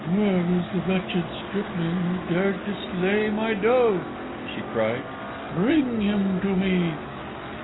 "Where is the wretched stripling who dared to slay my dove?" she cried. "Bring him to me!"